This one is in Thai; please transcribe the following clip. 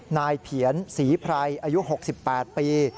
นายเพียรศรีพรายอายุ๖๘ปี